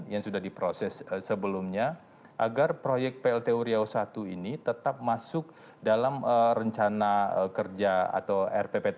yang sudah diproses sebelumnya agar proyek plt uriau i ini tetap masuk dalam rencana kerja atau rppt